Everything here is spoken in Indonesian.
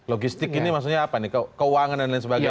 logistik ini maksudnya apa nih keuangan dan lain sebagainya